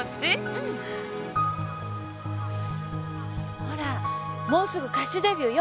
ほらもうすぐ歌手デビューよ。